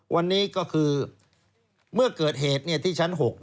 วันนี้ก็คือเมื่อเกิดเหตุที่ชั้น๖